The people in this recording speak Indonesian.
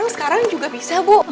sekarang juga bisa bu